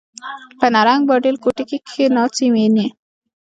په نرنګ، باډېل کوټکي کښي ناڅي میني